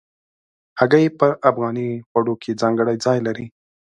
هګۍ په افغاني خوړو کې ځانګړی ځای لري.